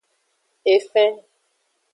Efen.